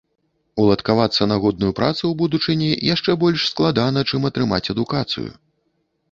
Уладкавацца на годную працу ў будучыні яшчэ больш складана, чым атрымаць адукацыю.